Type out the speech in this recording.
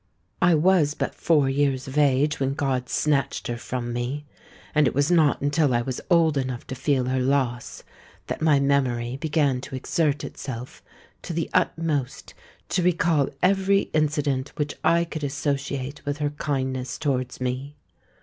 "I was but four years of age when God snatched her from me; and it was not until I was old enough to feel her loss, that my memory began to exert itself to the utmost to recall every incident which I could associate with her kindness towards me.